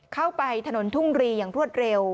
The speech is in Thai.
เข้าไปถนนทุ่งรีอย่างรวดเร็ว